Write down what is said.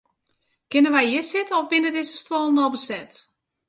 Kinne wy hjir sitte of binne dizze stuollen al beset?